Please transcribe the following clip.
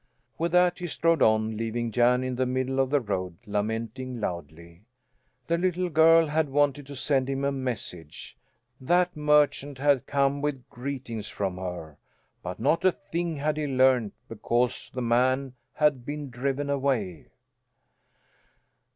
With that he strode on, leaving Jan in the middle of the road, lamenting loudly. The little girl had wanted to send him a message! That merchant had come with greetings from her, but not a thing had he learned because the man had been driven away.